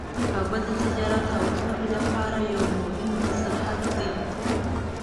کابل د تجارت او پوهنې لپاره یوه مهمه سرحد ده.